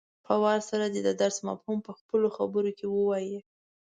په وار سره دې د درس مفهوم په خپلو خبرو کې ووايي.